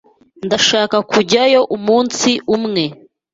Ndashaka kujyayo umunsi umwe.